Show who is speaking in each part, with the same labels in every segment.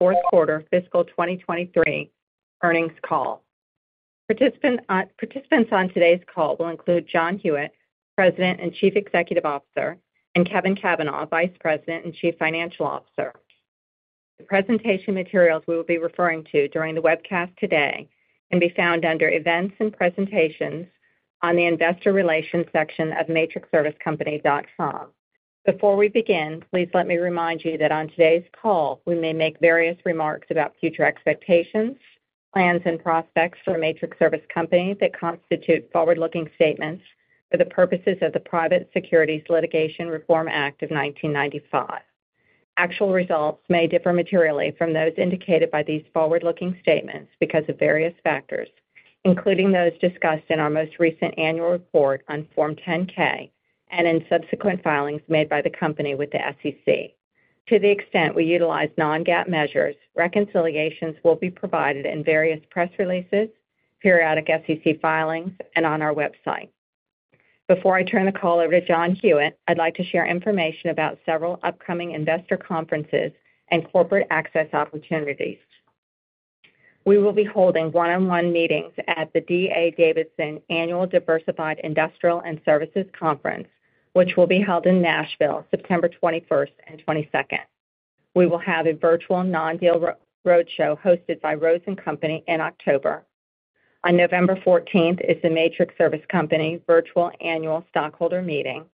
Speaker 1: Fourth quarter Fiscal 2023 Earnings Call. Participants on today's call will include John Hewitt, President and Chief Executive Officer, and Kevin Cavanah, Vice President and Chief Financial Officer. The presentation materials we will be referring to during the webcast today can be found under Events and Presentations on the Investor Relations section of matrixservicecompany.com. Before we begin, please let me remind you that on today's call, we may make various remarks about future expectations, plans, and prospects for Matrix Service Company that constitute forward-looking statements for the purposes of the Private Securities Litigation Reform Act of 1995. Actual results may differ materially from those indicated by these forward-looking statements because of various factors, including those discussed in our most recent annual report on Form 10-K and in subsequent filings made by the company with the SEC. To the extent we utilize non-GAAP measures, reconciliations will be provided in various press releases, periodic SEC filings, and on our website. Before I turn the call over to John Hewitt, I'd like to share information about several upcoming investor conferences and corporate access opportunities. We will be holding one-on-one meetings at the D.A. Davidson Annual Diversified Industrials & Services Conference, which will be held in Nashville, September 21st and 22nd. We will have a virtual non-deal roadshow hosted by Rose & Company in October. On November 14th is the Matrix Service Company Virtual Annual Stockholder Meeting.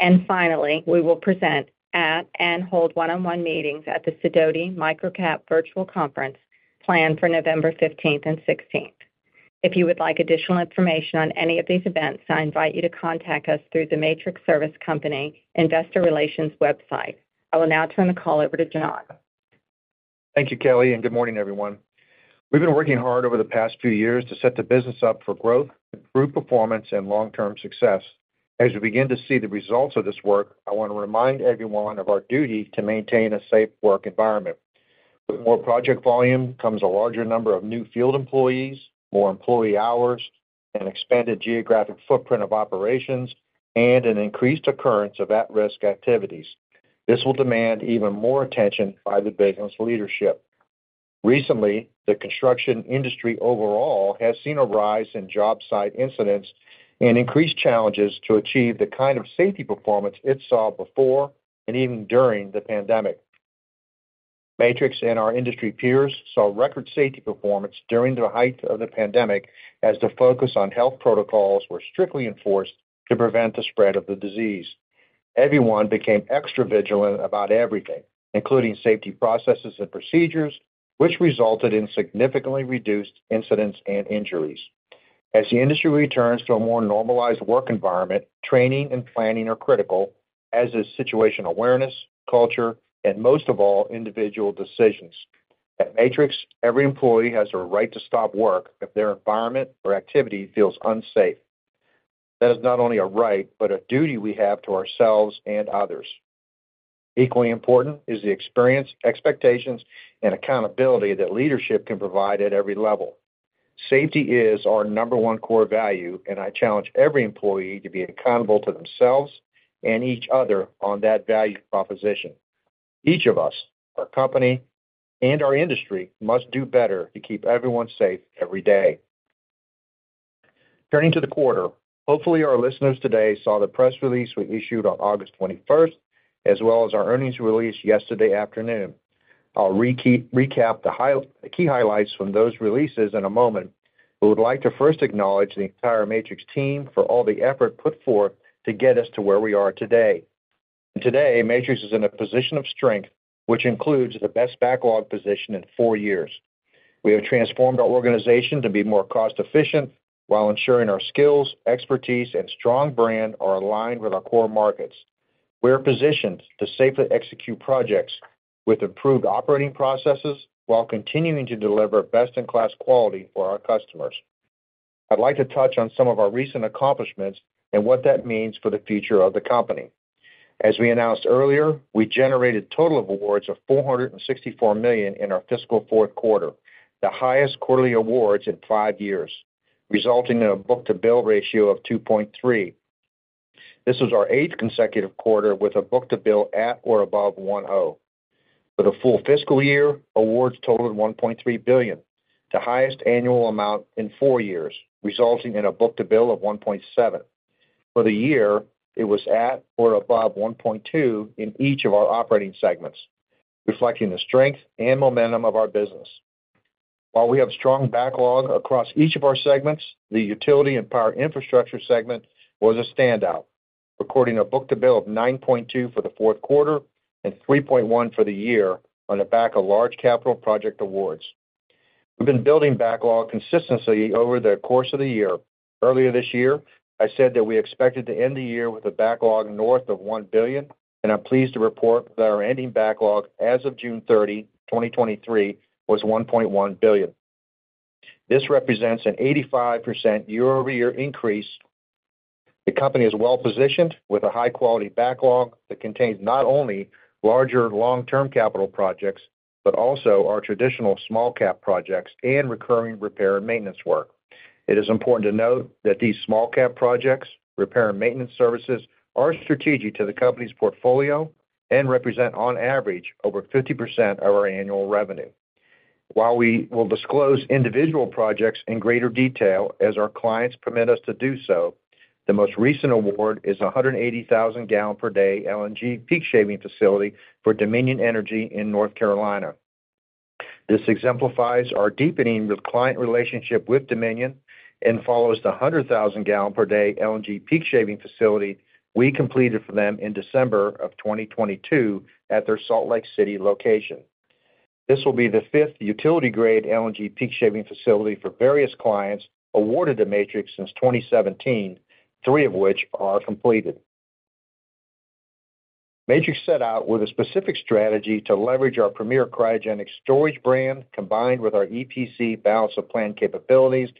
Speaker 1: And finally, we will present at and hold one-on-one meetings at the Sidoti Micro-Cap Virtual Conference, planned for November 15th and 16th. If you would like additional information on any of these events, I invite you to contact us through the Matrix Service Company investor relations website. I will now turn the call over to John.
Speaker 2: Thank you, Kellie, and good morning, everyone. We've been working hard over the past few years to set the business up for growth, improved performance, and long-term success. As we begin to see the results of this work, I want to remind everyone of our duty to maintain a safe work environment. With more project volume comes a larger number of new field employees, more employee hours, an expanded geographic footprint of operations, and an increased occurrence of at-risk activities. This will demand even more attention by the business leadership. Recently, the construction industry overall has seen a rise in job site incidents and increased challenges to achieve the kind of safety performance it saw before and even during the pandemic. Matrix and our industry peers saw record safety performance during the height of the pandemic as the focus on health protocols were strictly enforced to prevent the spread of the disease. Everyone became extra vigilant about everything, including safety processes and procedures, which resulted significantly reduced incidents and injuries. As the industry returns to a more normalized work environment, training and planning are critical, as is situational awareness, culture, and most of all, individual decisions. At Matrix, every employee has a right to stop work if their environment or activity feels unsafe. That is not only a right, but a duty we have to ourselves and others. Equally important is the experience, expectations, and accountability that leadership can provide at every level. Safety is our number one core value, and I challenge every employee to be accountable to themselves and each other on that value proposition. Each of us, our company, and our industry must do better to keep everyone safe every day. Turning to the quarter, hopefully, our listeners today saw the press release we issued on August 21st, as well as our earnings release yesterday afternoon. I'll recap the high, the key highlights from those releases in a moment. We would like to first acknowledge the entire Matrix team for all the effort put forth to get us to where we are today. Today, Matrix is in a position of strength, which includes the best backlog position in four years. We have transformed our organization to be more cost-efficient while ensuring our skills, expertise, and strong brand are aligned with our core markets. We are positioned to safely execute projects with improved operating processes while continuing to deliver best-in-class quality for our customers. I'd like to touch on some of our recent accomplishments and what that means for the future of the company. As we announced earlier, we generated total awards of $464 million in our fiscal fourth quarter, the highest quarterly awards in five years, resulting in a book-to-bill ratio of 2.3. This was our eighth consecutive quarter with a book-to-bill at or above 1.0. For the full fiscal year, awards totaled $1.3 billion, the highest annual amount in four years, resulting in a book-to-bill of 1.7. For the year, it was at or above 1.2 in each of our operating segments, reflecting the strength and momentum of our business. While we have strong backlog across each of our segments, the Utility and Power Infrastructure segment was a standout, recording a book-to-bill of 9.2 for the fourth quarter and 3.1 for the year on the back of large capital project awards. We've been building backlog consistently over the course of the year. Earlier this year, I said that we expected to end the year with a backlog north of $1 billion, and I'm pleased to report that our ending backlog as of June 30, 2023, was $1.1 billion. This represents an 85% year-over-year increase. The company is well-positioned with a high-quality backlog that contains not only larger long-term capital projects, but also our traditional small cap projects and recurring repair and maintenance work. It is important to note that these small cap projects, repair and maintenance services, are strategic to the company's portfolio and represent, on average, over 50% of our annual revenue. While we will disclose individual projects in greater detail as our clients permit us to do so, the most recent award is a 180,000-gallon-per-day LNG peak shaving facility for Dominion Energy in North Carolina. This exemplifies our deepening the client relationship with Dominion and follows the 100,000-gallon-per-day LNG peak shaving facility we completed for them in December 2022 at their Salt Lake City location. This will be the fifth utility-grade LNG peak shaving facility for various clients awarded to Matrix since 2017, three of which are completed. Matrix set out with a specific strategy to leverage our premier cryogenic storage brand, combined with our EPC balance of plant capabilities,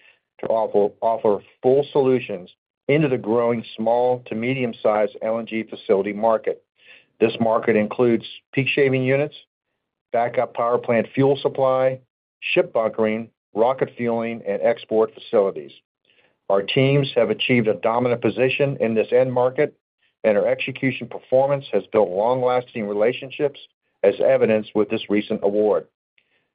Speaker 2: to offer full solutions into the growing small to medium-sized LNG facility market. This market includes peak shaving units, backup power plant fuel supply, ship bunkering, rocket fueling, and export facilities. Our teams have achieved a dominant position in this end market, and our execution performance has built long-lasting relationships, as evidenced with this recent award.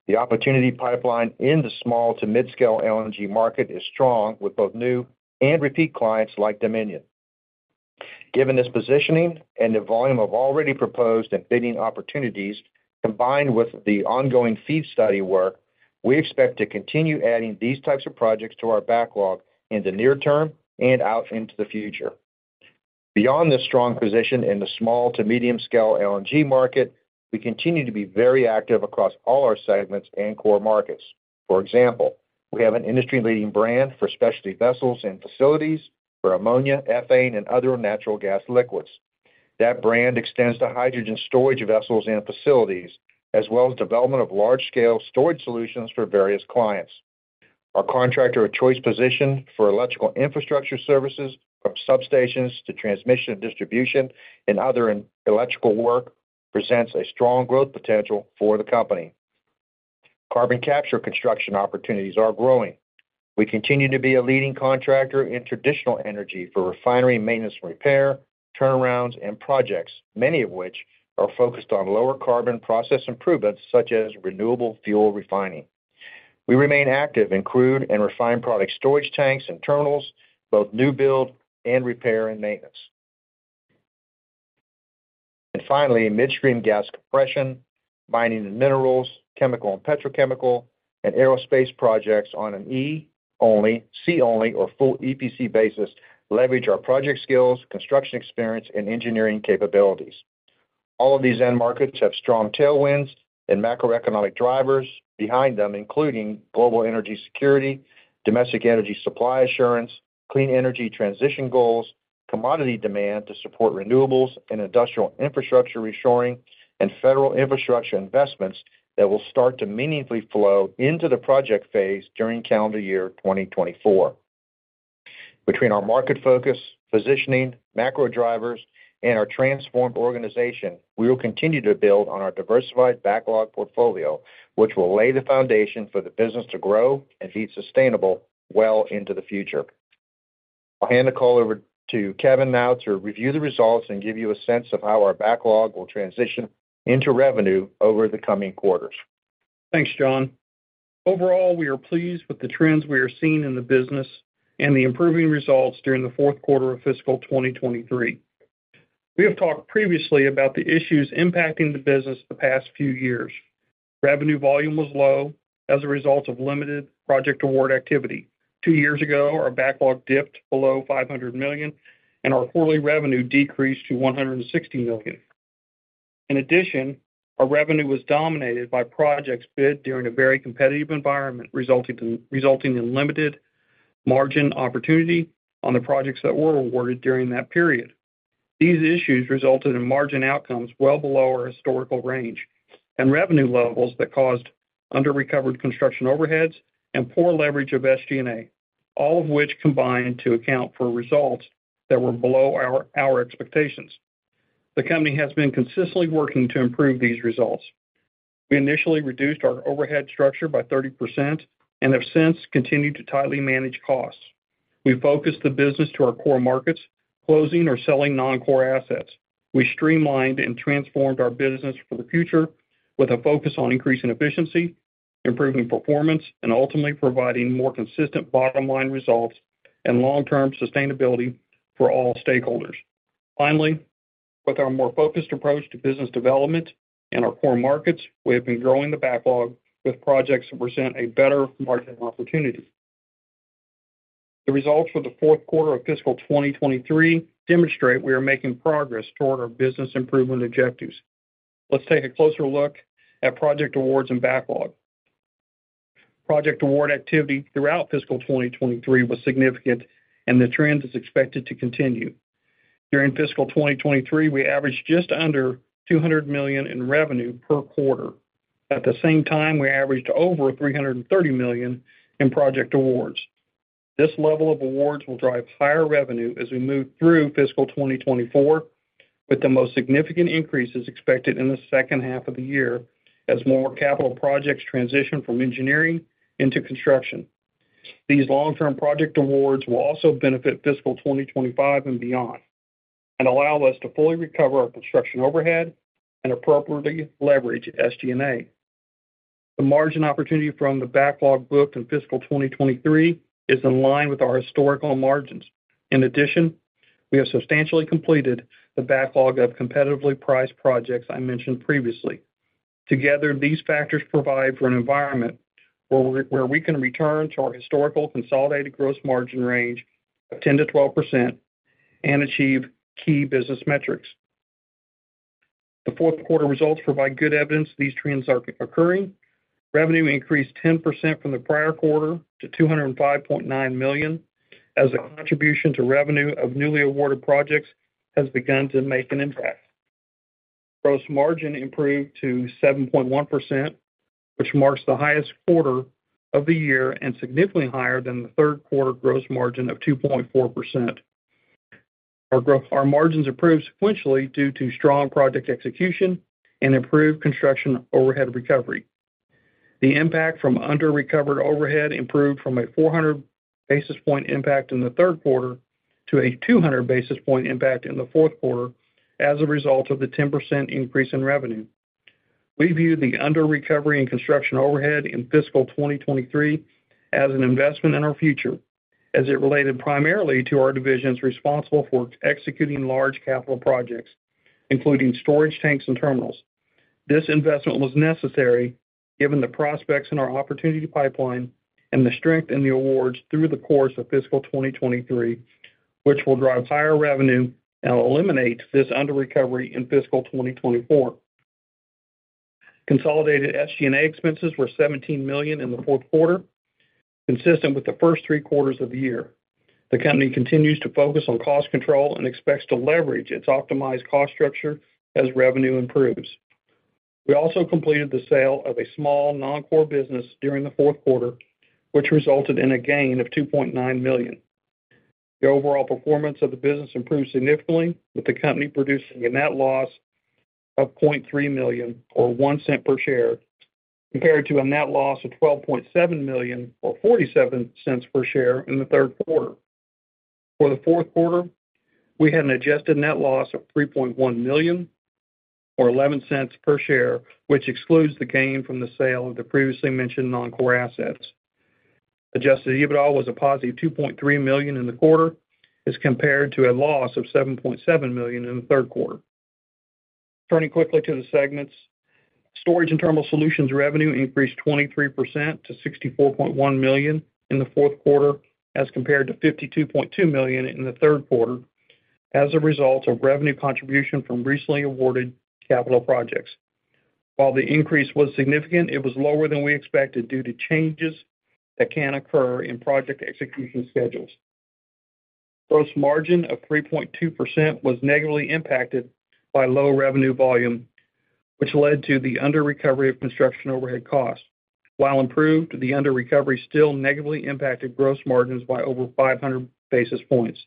Speaker 2: The opportunity pipeline in the small to mid-scale LNG market is strong, with both new and repeat clients like Dominion. Given this positioning and the volume of already proposed and bidding opportunities, combined with the ongoing FEED study work, we expect to continue adding these types of projects to our backlog in the near term and out into the future. Beyond this strong position in the small to medium scale LNG market, we continue to be very active across all our segments and core markets. For example, we have an industry-leading brand for specialty vessels and facilities for ammonia, ethane, and other natural gas liquids. That brand extends to hydrogen storage vessels and facilities, as well as development of large-scale storage solutions for various clients. Our contractor of choice position for electrical infrastructure services, from substations to transmission and distribution and other electrical work, presents a strong growth potential for the company. Carbon capture construction opportunities are growing. We continue to be a leading contractor in traditional energy for refinery maintenance and repair, turnarounds, and projects, many of which are focused on lower carbon process improvements such as renewable fuel refining. We remain active in crude and refined product storage tanks and terminals, both new build and repair and maintenance. And finally, midstream gas compression, mining and minerals, chemical and petrochemical, and aerospace projects on an E-only, C-only, or full EPC basis, leverage our project skills, construction experience, and engineering capabilities. All of these end markets have strong tailwinds and macroeconomic drivers behind them, including global energy security, domestic energy supply assurance, clean energy transition goals, commodity demand to support renewables and industrial infrastructure reshoring, and federal infrastructure investments that will start to meaningfully flow into the project phase during calendar year 2024. Between our market focus, positioning, macro drivers, and our transformed organization, we will continue to build on our diversified backlog portfolio, which will lay the foundation for the business to grow and be sustainable well into the future. I'll hand the call over to Kevin now to review the results and give you a sense of how our backlog will transition into revenue over the coming quarters.
Speaker 3: Thanks, John. Overall, we are pleased with the trends we are seeing in the business and the improving results during the fourth quarter of fiscal 2023. We have talked previously about the issues impacting the business the past few years. Revenue volume was low as a result of limited project award activity. Two years ago, our backlog dipped below $500 million, and our quarterly revenue decreased to $160 million. In addition, our revenue was dominated by projects bid during a very competitive environment, resulting in, resulting in limited margin opportunity on the projects that were awarded during that period. These issues resulted in margin outcomes well below our historical range and revenue levels that caused under-recovered construction overheads and poor leverage of SG&A, all of which combined to account for results that were below our, our expectations. The company has been consistently working to improve these results. We initially reduced our overhead structure by 30% and have since continued to tightly manage costs. We focused the business to our core markets, closing or selling non-core assets. We streamlined and transformed our business for the future with a focus on increasing efficiency, improving performance, and ultimately providing more consistent bottom-line results and long-term sustainability for all stakeholders. Finally, with our more focused approach to business development in our core markets, we have been growing the backlog with projects that present a better margin opportunity. The results for the fourth quarter of fiscal 2023 demonstrate we are making progress toward our business improvement objectives. Let's take a closer look at project awards and backlog. Project award activity throughout fiscal 2023 was significant, and the trend is expected to continue. During fiscal 2023, we averaged just under $200 million in revenue per quarter. At the same time, we averaged over $330 million in project awards. This level of awards will drive higher revenue as we move through fiscal 2024. with the most significant increases expected in the second half of the year as more capital projects transition from engineering into construction. These long-term project awards will also benefit fiscal 2025 and beyond, and allow us to fully recover our construction overhead and appropriately leverage SG&A. The margin opportunity from the backlog booked in fiscal 2023 is in line with our historical margins. In addition, we have substantially completed the backlog of competitively priced projects I mentioned previously. Together, these factors provide for an environment where we can return to our historical consolidated gross margin range of 10%-12% and achieve key business metrics. The fourth quarter results provide good evidence these trends are occurring. Revenue increased 10% from the prior quarter to $205.9 million, as the contribution to revenue of newly awarded projects has begun to make an impact. Gross margin improved to 7.1%, which marks the highest quarter of the year, and significantly higher than the third quarter gross margin of 2.4%. Our margins improved sequentially due to strong project execution and improved construction overhead recovery. The impact from underrecovered overhead improved from a 400 basis point impact in the third quarter to a 200 basis point impact in the fourth quarter as a result of the 10% increase in revenue. We view the underrecovery and construction overhead in fiscal 2023 as an investment in our future, as it related primarily to our divisions responsible for executing large capital projects, including storage tanks and terminals. This investment was necessary given the prospects in our opportunity pipeline and the strength in the awards through the course of fiscal 2023, which will drive higher revenue and eliminate this underrecovery in fiscal 2024. Consolidated SG&A expenses were $17 million in the fourth quarter, consistent with the first three quarters of the year. The company continues to focus on cost control and expects to leverage its optimized cost structure as revenue improves. We also completed the sale of a small, non-core business during the fourth quarter, which resulted in a gain of $2.9 million. The overall performance of the business improved significantly, with the company producing a net loss of $0.3 million, or $0.01 per share, compared to a net loss of $12.7 million, or $0.47 per share in the third quarter. For the fourth quarter, we had an adjusted net loss of $3.1 million, or $0.11 per share, which excludes the gain from the sale of the previously mentioned non-core assets. Adjusted EBITDA was a positive $2.3 million in the quarter, as compared to a loss of $7.7 million in the third quarter. Turning quickly to the segments. Storage and Terminal Solutions revenue increased 23% to $64.1 million in the fourth quarter, as compared to $52.2 million in the third quarter, as a result of revenue contribution from recently awarded capital projects. While the increase was significant, it was lower than we expected due to changes that can occur in project execution schedules. Gross margin of 3.2% was negatively impacted by low revenue volume, which led to the underrecovery of construction overhead costs. While improved, the underrecovery still negatively impacted gross margins by over 500 basis points.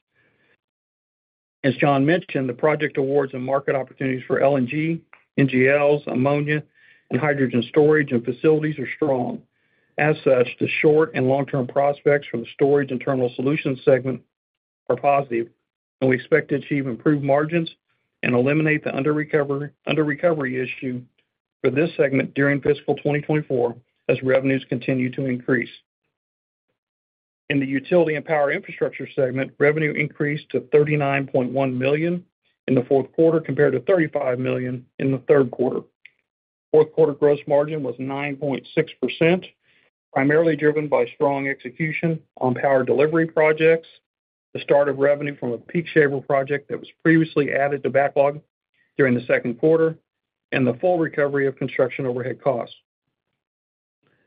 Speaker 3: As John mentioned, the project awards and market opportunities for LNG, NGLs, ammonia, and hydrogen storage and facilities are strong. As such, the short and long-term prospects for the Storage and Terminal Solutions segment are positive, and we expect to achieve improved margins and eliminate the underrecovery, underrecovery issue for this segment during fiscal 2024 as revenues continue to increase. In the Utility and Power Infrastructure segment, revenue increased to $39.1 million in the fourth quarter, compared to $35 million in the third quarter. Fourth quarter gross margin was 9.6%, primarily driven by strong execution on power delivery projects, the start of revenue from a peak shaver project that was previously added to backlog during the second quarter, and the full recovery of construction overhead costs.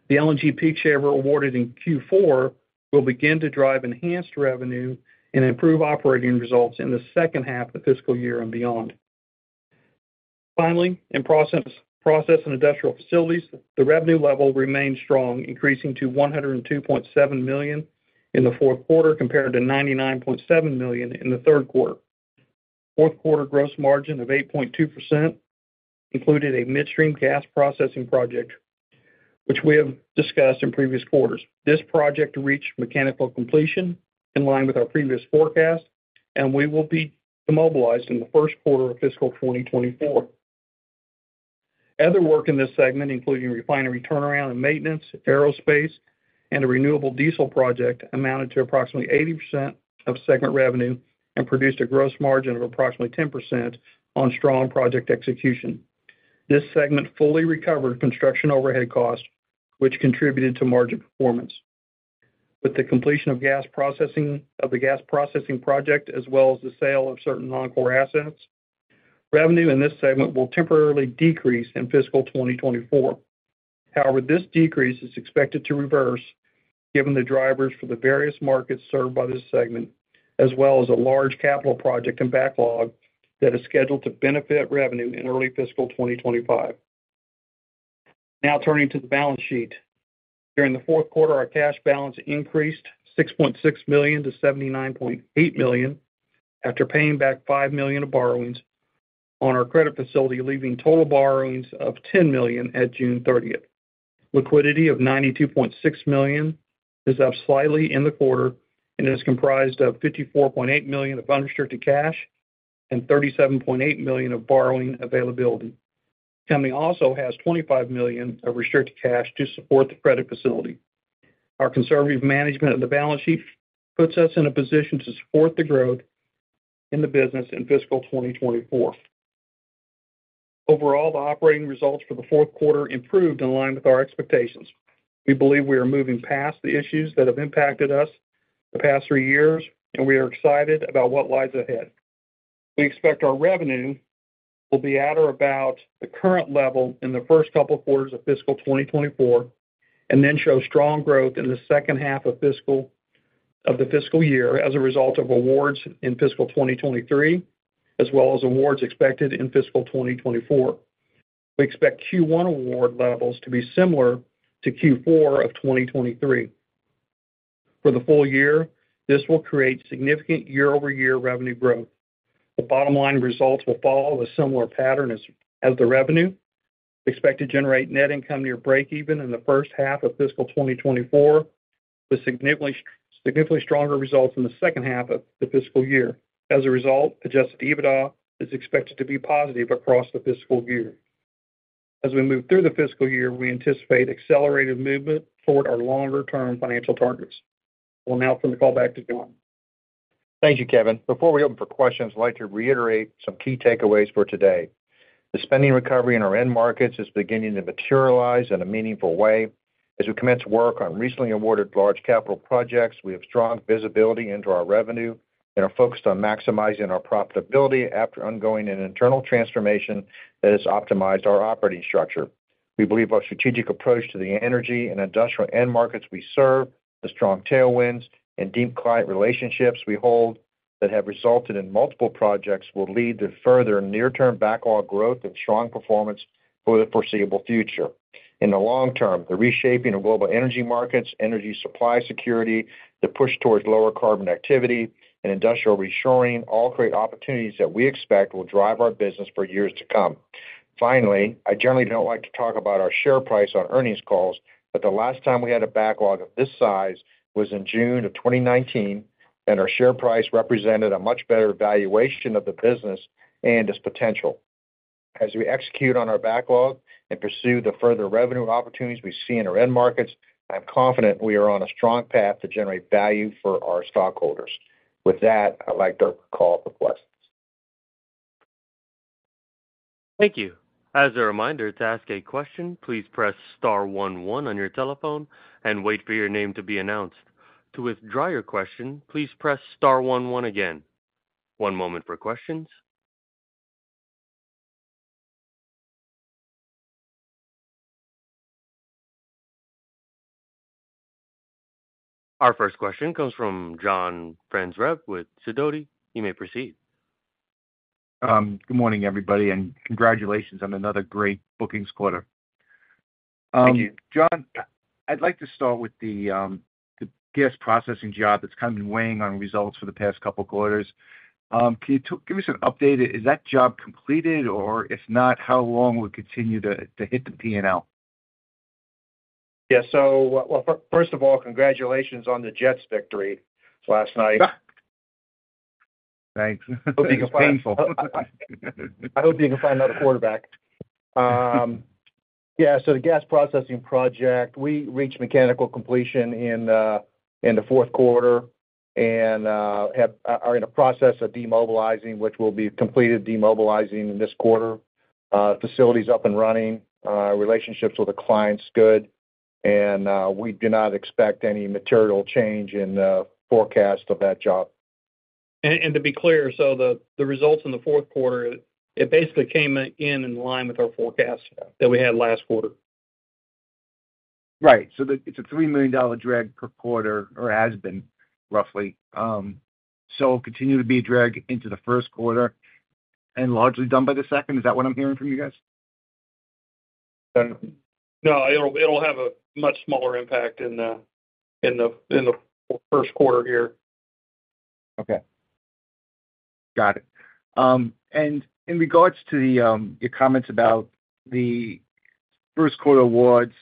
Speaker 3: The LNG peak shaver awarded in Q4 will begin to drive enhanced revenue and improve operating results in the second half of the fiscal year and beyond. Finally, in Process and Industrial Facilities, the revenue level remained strong, increasing to $102.7 million in the fourth quarter, compared to $99.7 million in the third quarter. Fourth quarter gross margin of 8.2% included a midstream gas processing project, which we have discussed in previous quarters. This project reached mechanical completion in line with our previous forecast, and we will be mobilized in the first quarter of fiscal 2024. Other work in this segment, including refinery turnaround and maintenance, aerospace, and a renewable diesel project, amounted to approximately 80% of segment revenue and produced a gross margin of approximately 10% on strong project execution. This segment fully recovered construction overhead costs, which contributed to margin performance. With the completion of the gas processing project, as well as the sale of certain non-core assets, revenue in this segment will temporarily decrease in fiscal 2024. However, this decrease is expected to reverse given the drivers for the various markets served by this segment, as well as a large capital project and backlog that is scheduled to benefit revenue in early fiscal 2025. Now turning to the balance sheet. During the fourth quarter, our cash balance increased $6.6 million to $79.8 million, after paying back $5 million of borrowings on our credit facility, leaving total borrowings of $10 million at June 30. Liquidity of $92.6 million is up slightly in the quarter and is comprised of $54.8 million of unrestricted cash and $37.8 million of borrowing availability. The company also has $25 million of restricted cash to support the credit facility. Our conservative management of the balance sheet puts us in a position to support the growth in the business in fiscal 2024. Overall, the operating results for the fourth quarter improved in line with our expectations. We believe we are moving past the issues that have impacted us the past three years, and we are excited about what lies ahead. We expect our revenue will be at or about the current level in the first couple of quarters of fiscal 2024, and then show strong growth in the second half of the fiscal year as a result of awards in fiscal 2023, as well as awards expected in fiscal 2024. We expect Q1 award levels to be similar to Q4 of 2023. For the full year, this will create significant year-over-year revenue growth. The bottom line results will follow a similar pattern as the revenue. Expect to generate net income near break even in the first half of fiscal 2024, with significantly stronger results in the second half of the fiscal year. As a result, Adjusted EBITDA is expected to be positive across the fiscal year. As we move through the fiscal year, we anticipate accelerated movement toward our longer-term financial targets. We'll now turn the call back to John.
Speaker 2: Thank you, Kevin. Before we open for questions, I'd like to reiterate some key takeaways for today. The spending recovery in our end markets is beginning to materialize in a meaningful way. As we commence work on recently awarded large capital projects, we have strong visibility into our revenue and are focused on maximizing our profitability after undergoing an internal transformation that has optimized our operating structure. We believe our strategic approach to the energy and industrial end markets we serve, the strong tailwinds and deep client relationships we hold that have resulted in multiple projects, will lead to further near-term backlog growth and strong performance for the foreseeable future. In the long term, the reshaping of global energy markets, energy supply security, the push towards lower carbon activity and industrial reshoring all create opportunities that we expect will drive our business for years to come. Finally, I generally don't like to talk about our share price on earnings calls, but the last time we had a backlog of this size was in June of 2019, and our share price represented a much better valuation of the business and its potential. As we execute on our backlog and pursue the further revenue opportunities we see in our end markets, I'm confident we are on a strong path to generate value for our stockholders. With that, I'd like to call for questions.
Speaker 4: Thank you. As a reminder, to ask a question, please press star one one on your telephone and wait for your name to be announced. To withdraw your question, please press star one one again. One moment for questions. Our first question comes from John Franzreb with Sidoti. You may proceed.
Speaker 5: Good morning, everybody, and congratulations on another great bookings quarter.
Speaker 2: Thank you.
Speaker 5: John, I'd like to start with the gas processing job that's kind of been weighing on results for the past couple of quarters. Can you give us an update? Is that job completed, or if not, how long will it continue to hit the PNL?
Speaker 2: Yeah, so, well, first of all, congratulations on the Jets victory last night.
Speaker 5: Thanks. It was painful.
Speaker 2: I hope you can find another quarterback. Yeah, so the gas processing project, we reached mechanical completion in the fourth quarter and are in the process of demobilizing, which will be completed in this quarter. Facilities up and running, relationships with the clients, good, and we do not expect any material change in the forecast of that job.
Speaker 3: And to be clear, so the results in the fourth quarter, it basically came in in line with our forecast
Speaker 2: Yeah
Speaker 3: that we had last quarter.
Speaker 2: Right. So it's a $3 million drag per quarter, or has been, roughly. So continue to be a drag into the first quarter and largely done by the second. Is that what I'm hearing from you guys?
Speaker 3: No, it'll have a much smaller impact in the first quarter here.
Speaker 5: Okay. Got it. And in regards to your comments about the first quarter awards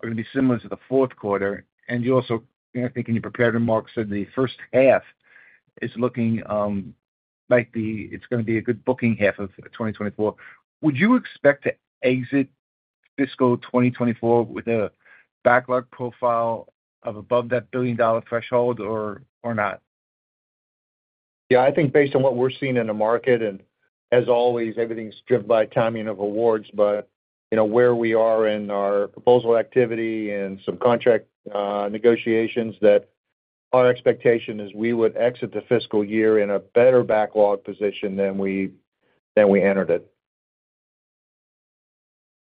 Speaker 5: are going to be similar to the fourth quarter, and you also, I think, in your prepared remarks, said the first half is looking like the, it's going to be a good booking half of 2024. Would you expect to exit fiscal 2024 with a backlog profile of above that billion-dollar threshold or, or not?
Speaker 2: Yeah, I think based on what we're seeing in the market and as always, everything's driven by timing of awards. But you know, where we are in our proposal activity and some contract negotiations, that our expectation is we would exit the fiscal year in a better backlog position than we entered it.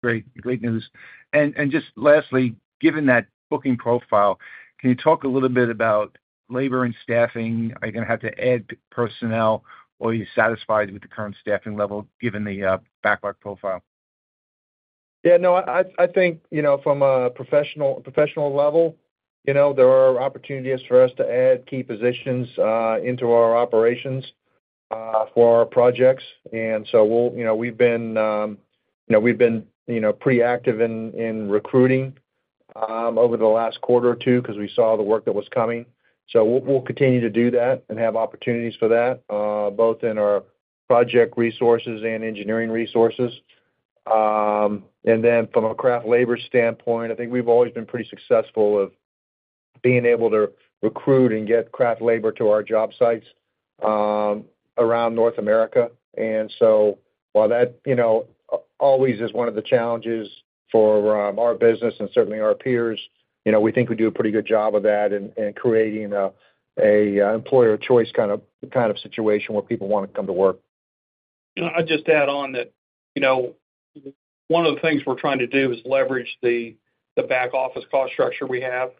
Speaker 5: Great. Great news. And just lastly, given that booking profile, can you talk a little bit about labor and staffing? Are you going to have to add personnel, or are you satisfied with the current staffing level given the backlog profile?
Speaker 2: Yeah, no, I think, you know, from a professional level, you know, there are opportunities for us to add key positions into our operations for our projects. And so we'll, you know, we've been pretty active in recruiting over the last quarter or two because we saw the work that was coming. So we'll continue to do that and have opportunities for that both in our project resources and engineering resources. And then from a craft labor standpoint, I think we've always been pretty successful with being able to recruit and get craft labor to our job sites around North America. While that, you know, always is one of the challenges for our business and certainly our peers, you know, we think we do a pretty good job of that in creating an employer choice kind of situation where people want to come to work.
Speaker 3: I'd just add on that, you know, one of the things we're trying to do is leverage the back-office cost structure we have.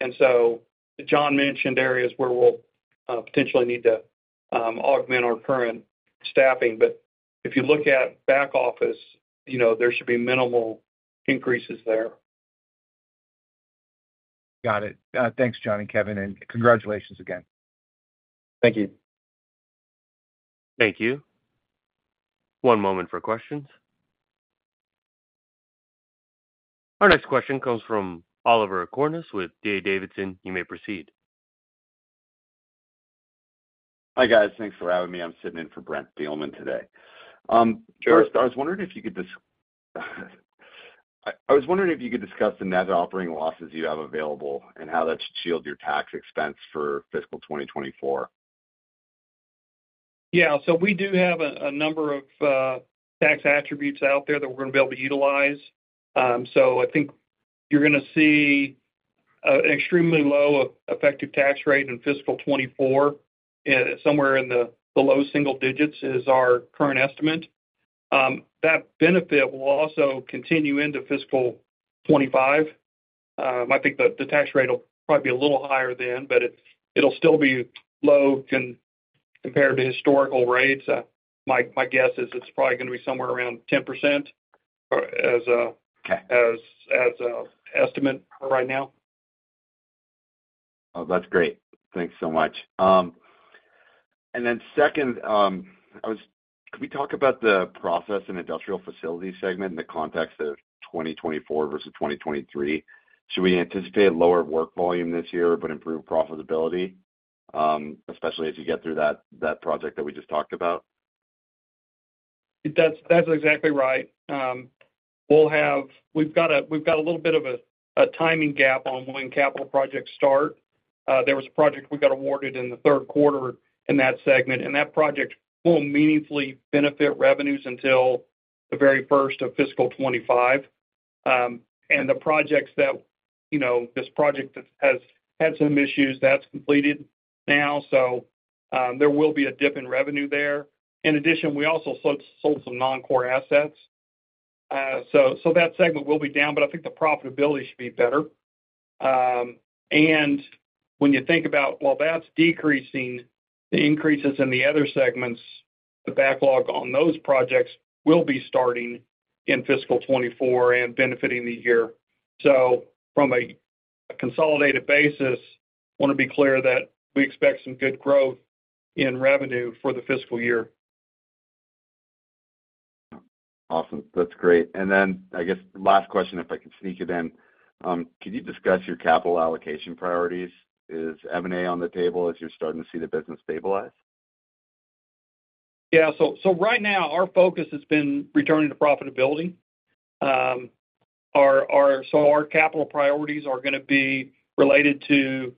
Speaker 3: And so John mentioned areas where we'll potentially need to augment our current staffing. But if you look at back office, you know, there should be minimal increases there.
Speaker 5: Got it. Thanks, John and Kevin, and congratulations again.
Speaker 3: Thank you.
Speaker 4: Thank you. One moment for questions. Our next question comes from Oliver Chornous with D.A. Davidson. You may proceed.
Speaker 6: Hi, guys. Thanks for having me. I'm sitting in for Brent Thielman today. First, I was wondering if you could discuss the net operating losses you have available and how that should shield your tax expense for fiscal 2024?
Speaker 3: Yeah, so we do have a number of tax attributes out there that we're going to be able to utilize. So I think you're gonna see extremely low effective tax rate in fiscal 2024, and somewhere in the low single digits is our current estimate. That benefit will also continue into fiscal 2025. I think the tax rate will probably be a little higher then, but it'll still be low compared to historical rates. My guess is it's probably gonna be somewhere around 10% or as a
Speaker 6: Okay.
Speaker 3: as an estimate right now.
Speaker 6: Oh, that's great. Thanks so much. And then second, can we talk about the Process and Industrial Facilities segment in the context of 2024 versus 2023? Should we anticipate lower work volume this year, but improved profitability, especially as you get through that project that we just talked about?
Speaker 3: That's exactly right. We'll have a little bit of a timing gap on when capital projects start. There was a project we got awarded in the third quarter in that segment, and that project won't meaningfully benefit revenues until the very first of fiscal 2025. The projects that, you know, this project that has had some issues, that's completed now, so there will be a dip in revenue there. In addition, we also sold some non-core assets. That segment will be down, but I think the profitability should be better. When you think about while that's decreasing, the increases in the other segments, the backlog on those projects will be starting in fiscal 2024 and benefiting the year. From a consolidated basis, want to be clear that we expect some good growth in revenue for the fiscal year.
Speaker 6: Awesome. That's great. And then I guess last question, if I can sneak it in. Can you discuss your capital allocation priorities? Is M&A on the table as you're starting to see the business stabilize?
Speaker 3: Yeah. So right now, our focus has been returning to profitability. So our capital priorities are gonna be related to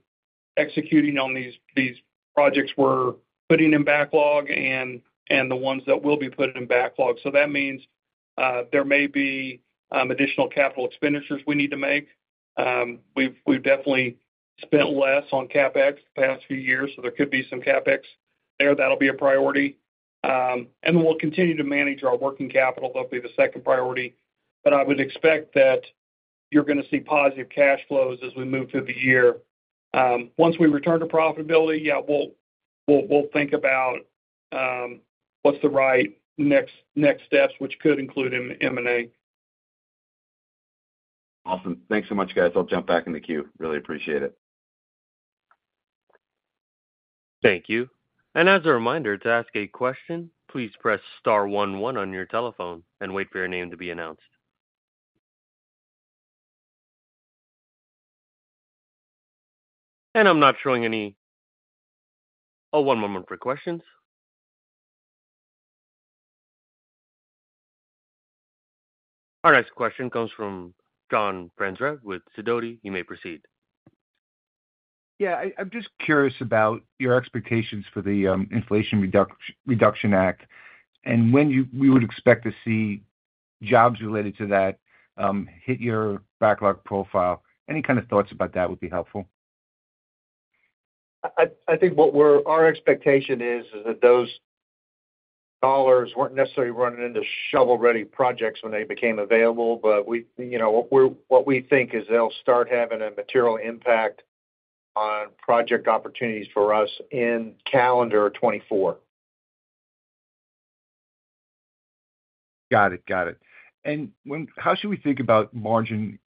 Speaker 3: executing on these projects we're putting in backlog and the ones that will be putting in backlog. So that means there may be additional capital expenditures we need to make. We've definitely spent less on CapEx the past few years, so there could be some CapEx there. That'll be a priority. And we'll continue to manage our working capital. That'll be the second priority. But I would expect that you're gonna see positive cash flows as we move through the year. Once we return to profitability, yeah, we'll think about what's the right next steps, which could include M&A.
Speaker 6: Awesome. Thanks so much, guys. I'll jump back in the queue. Really appreciate it.
Speaker 4: Thank you. And as a reminder, to ask a question, please press star one one on your telephone and wait for your name to be announced. And I'm not showing any. Oh, one moment for questions. Our next question comes from John Franzreb with Sidoti. You may proceed.
Speaker 5: Yeah, I'm just curious about your expectations for the Inflation Reduction Act and when we would expect to see jobs related to that hit your backlog profile. Any kind of thoughts about that would be helpful.
Speaker 2: I think our expectation is that those dollars weren't necessarily running into shovel-ready projects when they became available. But you know, what we think is they'll start having a material impact on project opportunities for us in calendar 2024.
Speaker 5: Got it. Got it. And when, how should we think about margin,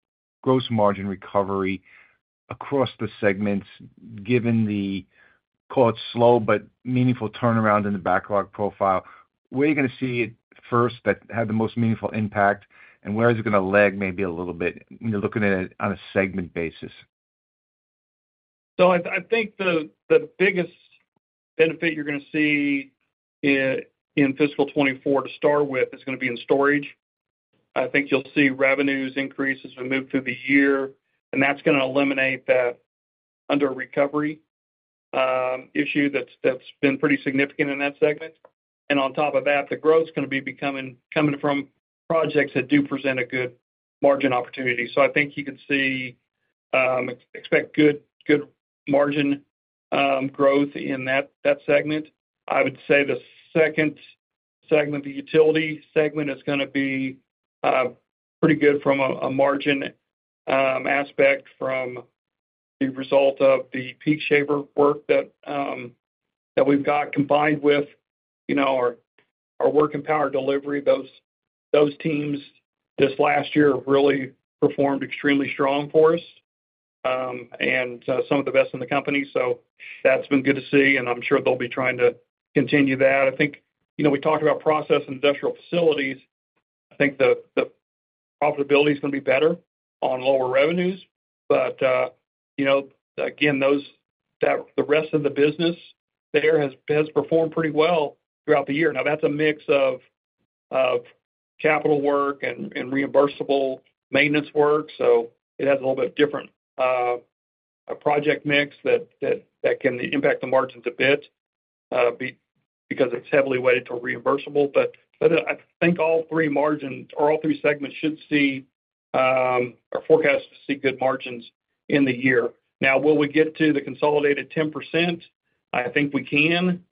Speaker 5: gross margin recovery across the segments, given the, call it, slow but meaningful turnaround in the backlog profile? Where are you going to see it first, that have the most meaningful impact, and where is it going to lag maybe a little bit, when you're looking at it on a segment basis?
Speaker 3: So I think the biggest benefit you're going to see in fiscal 2024, to start with, is going to be in storage. I think you'll see revenues increase as we move through the year, and that's going to eliminate that underrecovery issue that's been pretty significant in that segment. And on top of that, the growth is going to be coming from projects that do present a good margin opportunity. So I think you can expect good margin growth in that segment. I would say the second segment, the utility segment, is going to be pretty good from a margin aspect from the result of the peak shaver work that we've got, combined with, you know, our work in power delivery. Those teams this last year really performed extremely strong for us, and some of the best in the company. So that's been good to see, and I'm sure they'll be trying to continue that. I think, you know, we talked about Process and Industrial Facilities. I think the profitability is going to be better on lower revenues, but you know, again, that the rest of the business there has performed pretty well throughout the year. Now, that's a mix of capital work and reimbursable maintenance work, so it has a little bit different project mix that can impact the margins a bit, because it's heavily weighted to reimbursable. But I think all three margins or all three segments should see, or forecast to see good margins in the year. Now, will we get to the consolidated 10%? I think we can.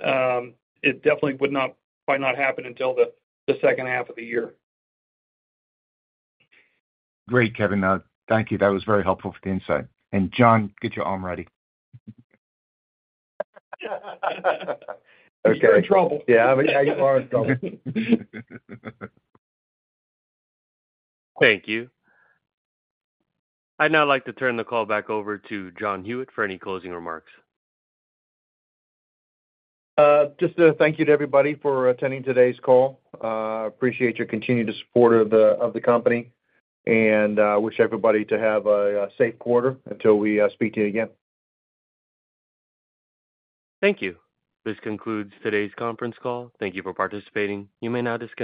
Speaker 3: It definitely would not, might not happen until the second half of the year.
Speaker 5: Great, Kevin. Thank you. That was very helpful for the insight. And, John, get your arm ready.
Speaker 3: You're in trouble.
Speaker 5: Yeah, I get my arm trouble.
Speaker 4: Thank you. I'd now like to turn the call back over to John Hewitt for any closing remarks.
Speaker 2: Just a thank you to everybody for attending today's call. Appreciate your continued support of the company, and I wish everybody to have a safe quarter until we speak to you again.
Speaker 4: Thank you. This concludes today's conference call. Thank you for participating. You may now disconnect.